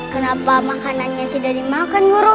kenapa makanannya tidak dimakan guru